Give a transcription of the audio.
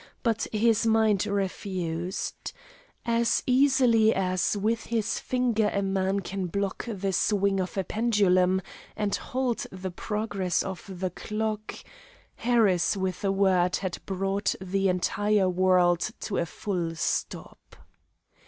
But his mind refused. As easily as with his finger a man can block the swing of a pendulum and halt the progress of the clock, Harris with a word had brought the entire world to a full stop.